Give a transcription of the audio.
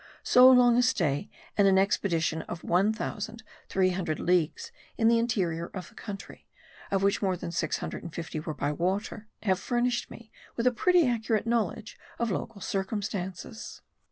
So long a stay and an expedition of one thousand three hundred leagues in the interior of the country, of which more than six hundred and fifty were by water, have furnished me with a pretty accurate knowledge of local circumstances.